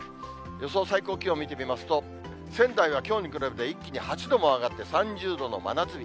予想最高気温見てみますと、仙台はきょうに比べて一気に８度も上がって３０度の真夏日。